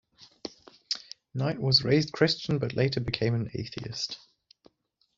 Knight was raised Christian, but later became an atheist.